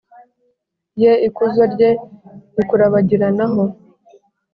Ye ikuzo rye rikurabagiranaho